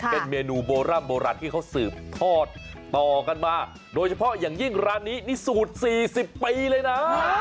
เป็นเมนูโบร่ำโบราณที่เขาสืบทอดต่อกันมาโดยเฉพาะอย่างยิ่งร้านนี้นี่สูตร๔๐ปีเลยนะ